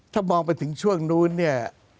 ถ้ามองไปถึงช่วงนู้นเนี่ย